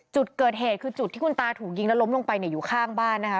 จุดเกิดเหตุคือจุดที่คุณตาถูกยิงแล้วล้มลงไปเนี่ยอยู่ข้างบ้านนะคะ